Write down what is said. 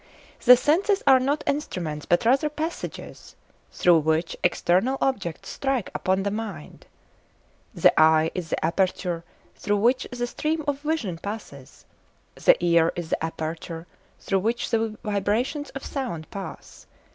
The senses are not instruments, but rather passages, through which external objects strike upon the mind. The eye is the aperture through which the stream of vision passes, the ear is the aperture through which the vibrations of sound pass.